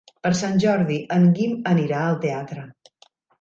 Per Sant Jordi en Guim anirà al teatre.